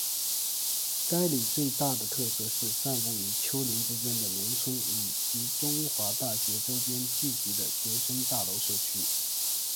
该里最大的特色是散布于丘陵之间的农村以及中华大学周边聚集的学生大楼社区。